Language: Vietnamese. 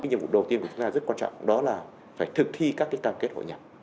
nhiệm vụ đầu tiên của chúng ta rất quan trọng đó là phải thực thi các cam kết hội nhập